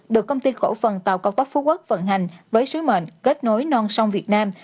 được công ty cổ phần tàu cao tốc phú quốc vận hành với sứ mệnh kết nối non sông việt nam